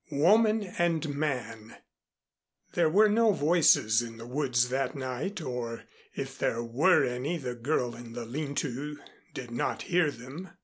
V WOMAN AND MAN There were no voices in the woods that night, or if there were any the girl in the lean to did not hear them.